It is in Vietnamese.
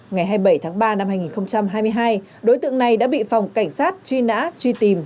ngày hai mươi bảy tháng ba năm hai nghìn hai mươi hai đối tượng này đã bị phòng cảnh sát truy nã truy tìm